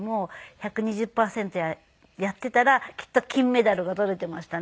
１２０パーセントやっていたらきっと金メダルが取れていましたね。